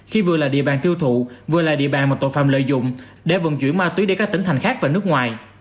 khi vừa là địa bàn tiêu thụ vừa là địa bàn mà tội phạm lợi dụng để vận chuyển ma túy đi các tỉnh thành khác và nước ngoài